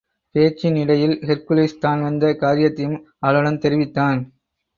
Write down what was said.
பேச்சின் இடையில் ஹெர்க்குலிஸ் தான் வந்த காரியத்தையும் அவளிடம் தெரிவித்தான்.